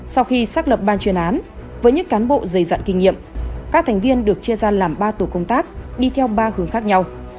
sau khi xác lập ban chuyên án với những cán bộ dày dặn kinh nghiệm các thành viên được chia ra làm ba tổ công tác đi theo ba hướng khác nhau